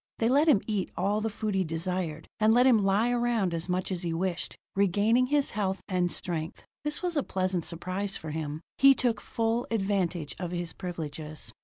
They let him eat all the food he desired, and let him lie around as much as he wished, regaining his health and strength. This was a pleasant surprise for him: he took full advantage of his privileges.